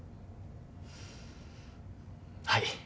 はい。